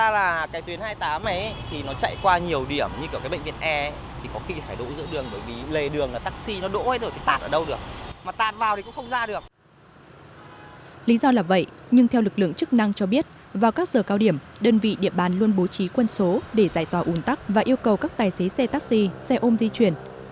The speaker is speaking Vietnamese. lý do là vậy nhưng theo lực lượng chức năng cho biết vào các giờ cao điểm đơn vị địa bàn luôn bố trí quân số để giải tỏa ủng tắc và yêu cầu các tài xế xe taxi xe ôm di chuyển